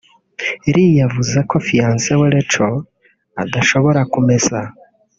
Lee yavuze ko fiyanse we Rachel adashobora kumesa